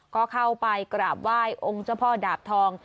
ก็เข้าไปกราบไหว้องค์เจ้าพ่อดาบทอง